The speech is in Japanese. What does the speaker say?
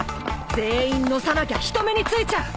全員のさなきゃ人目についちゃう。